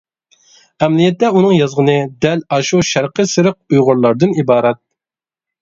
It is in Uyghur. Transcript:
ئەمەلىيەتتە ئۇنىڭ يازغىنى دەل ئاشۇ شەرقىي سېرىق ئۇيغۇرلاردىن ئىبارەت.